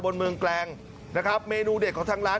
เมืองแกลงนะครับเมนูเด็ดของทางร้าน